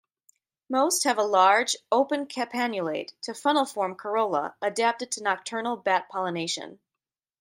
Most have a large, open campanulate to funnel-form corolla adapted to nocturnal bat pollination.